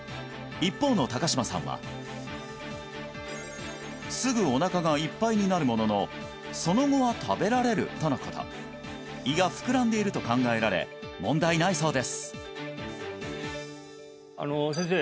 一方の高島さんはすぐおなかがいっぱいになるもののその後は食べられるとのこと胃が膨らんでいると考えられ問題ないそうです先生